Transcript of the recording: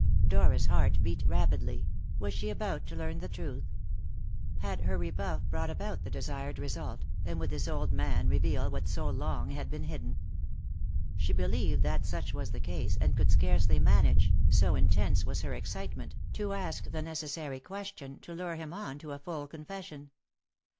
Dora's heart beat rapidly. Was she about to learn the truth? Had her rebuff brought about the desired result, and would this old man reveal what so long had been hidden? She believed that such was the case, and could scarcely manage, so intense was her excitement, to ask the necessary question to lure him on to a full confession.